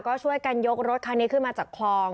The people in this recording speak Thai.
ก็ช่วยกันยกรถคันนี้ขึ้นมาจากคลอง